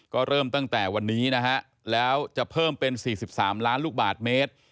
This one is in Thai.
ก็เริ่มตั้งแต่วันนี้นะฮะแล้วจะเพิ่มเป็น๔๓ล้านลูกบาทเมตร